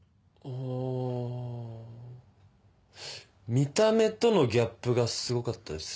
見た目とのギャップがすごかったです。